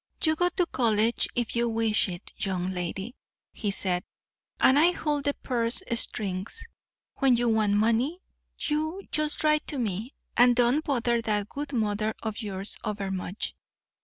"You go to college if you wish it, young lady," he said, "and I hold the purse strings. When you want money you just write to me, and don't bother that good mother of yours overmuch.